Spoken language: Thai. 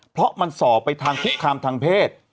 เพราะมันสอบไปทางคุกคามทางเพศ